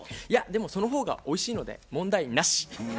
いやでもその方がおいしいので問題なし！